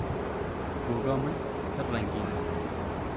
Goga min pir rengîn e.